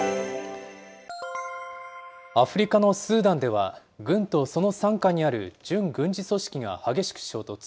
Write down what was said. アフリカのスーダンでは、軍とその傘下にある準軍事組織が激しく衝突。